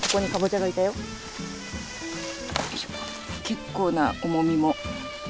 結構な重みも。